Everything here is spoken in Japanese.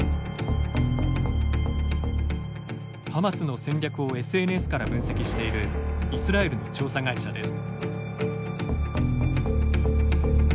ハマスの戦略をＳＮＳから分析しているイスラエルの調査会社です。